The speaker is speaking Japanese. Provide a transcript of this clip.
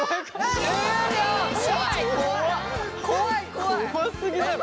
怖すぎだよ。